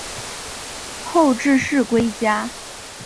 后致仕归家。